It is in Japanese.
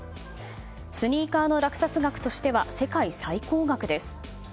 スニーカーの落札額としては世界最高額です。